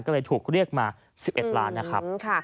ก็เลยถูกเรียกมา๑๑ล้านนะครับ